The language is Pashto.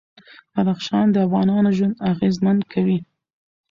بدخشان د افغانانو ژوند اغېزمن کوي.